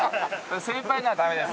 先輩のはダメです。